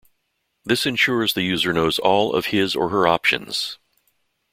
This ensures the user knows all of his or her options.